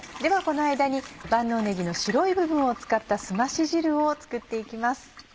この間に万能ねぎの白い部分を使ったすまし汁を作って行きます。